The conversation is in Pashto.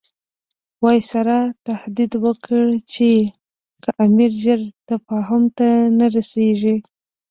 وایسرا تهدید وکړ چې که امیر ژر تفاهم ته نه رسیږي.